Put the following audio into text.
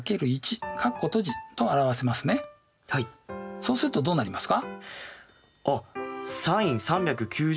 そうするとどうなりますか？